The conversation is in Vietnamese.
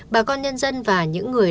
bà con nhân dân và những người